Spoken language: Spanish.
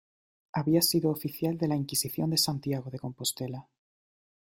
Había sido oficial de la Inquisición de Santiago de Compostela.